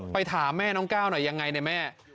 ถามแม่น้องก้าวหน่อยยังไงเนี่ยแม่